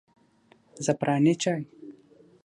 زعفراني چای